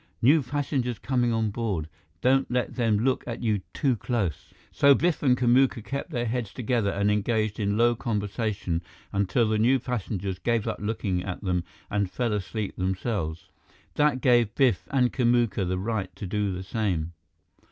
New passengers coming on board. Don't let them look at you too close." So Biff and Kamuka kept their heads together and engaged in low conversation until the new passengers gave up looking at them and fell asleep themselves. That gave Biff and Kamuka the right to do the same.